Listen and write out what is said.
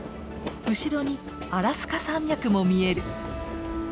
後ろにアラスカ山脈も見える。